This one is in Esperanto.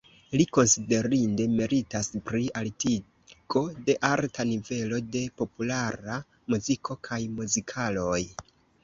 Li konsiderinde meritas pri altigo de arta nivelo de populara muziko kaj muzikaloj.